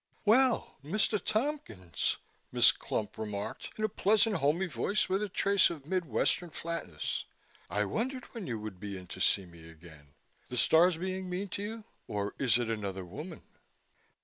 "Well, Mr. Tompkins," Miss Clump remarked in a pleasant, homey voice with a trace of Mid Western flatness, "I wondered when you would be in to see me again. The stars being mean to you? Or is it another woman?"